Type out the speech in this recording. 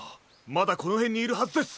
まだこのへんにいるはずです！